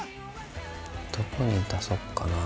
どこに足そっかな。